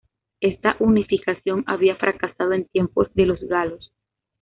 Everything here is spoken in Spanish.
Esta unificación había fracasado en tiempos de los galos.